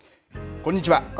こんにちは。